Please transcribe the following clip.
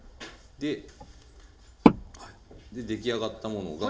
出来上がったものが。